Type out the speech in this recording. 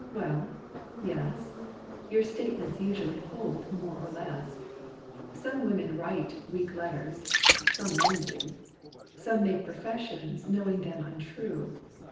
Well, yes! Your statements usually hold more or less. Some women write weak letters (some men do;) Some make professions, knowing them untrue.